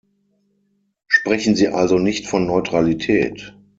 Sprechen Sie also nicht von Neutralität!